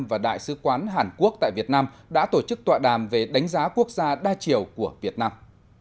và đại sứ quán hàn quốc tại việt nam đã tổ chức tọa đàm về đánh giá quốc gia đa chiều của việt nam